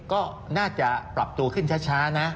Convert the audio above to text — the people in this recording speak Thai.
ก็น่าจะปรับตัวขึ้นช้านะ